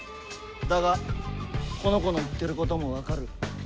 だがこの子の言ってることも分かる。